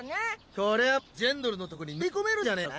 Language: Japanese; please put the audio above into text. こりゃもうジェンドルのとこに乗り込めるんじゃねえのか？